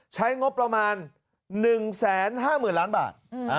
ใช้งบประมาณ๑๕๐๐๐ล้านบาท